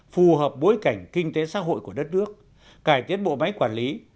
phù hợp bối cảnh kinh tế xã hội của đất nước cải tiến bộ máy quản lý